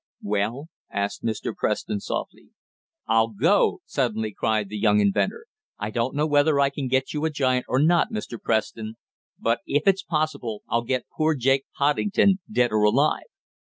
"Well?" asked Mr. Preston softly. "I'll go!" suddenly cried the young inventor. "I don't know whether I can get you a giant or not, Mr. Preston, but if it's possible I'll get poor Jake Poddington, dead or alive!"